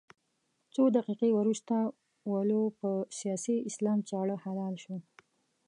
څو دقيقې وروسته ولو په سیاسي اسلام چاړه حلال شو.